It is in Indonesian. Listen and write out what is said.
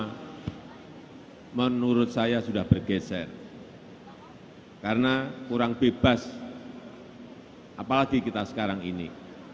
hai menurut saya sudah bergeser karena kurang bebas apalagi kita sekarang ini